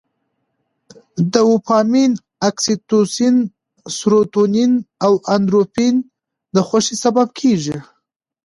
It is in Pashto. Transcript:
دوپامین، اکسي توسین، سروتونین او اندورفین د خوښۍ سبب کېږي.